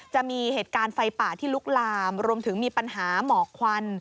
จะมีเหตุการณ์ไฟป่าที่ลุกลามรวมถึงมีปัญหาหมอกควัน